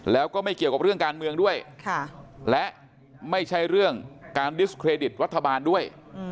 แล้วก็ไม่เกี่ยวกับเรื่องการเมืองด้วยและไม่ใช่เรื่องการดิสเครดิตรัฐบาลด้วย